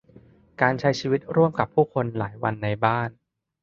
การใช้ชีวิตร่วมกับผู้คนหลายวันในบ้าน